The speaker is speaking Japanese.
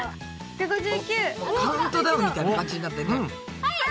カウントダウンみたいな感じになってんね。